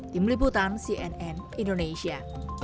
tim liputan cnn indonesia